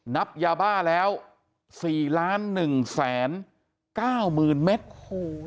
นับยาบ้าแล้ว๔๑๙๐๐๐เมตรโหเยอะมาก